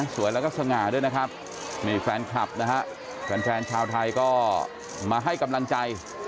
สวยแล้วก็สง่าด้วยนะครับนี่แฟนคลับนะฮะแฟนชาวไทยก็มาให้กำลังใจ